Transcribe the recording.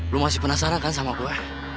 lo masih penasaran kan sama gue